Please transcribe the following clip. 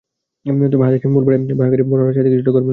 তবে হাদীসের মূল পাঠে বায়হাকীর বর্ণনার সাথে কিছুটা গরমিল রয়েছে।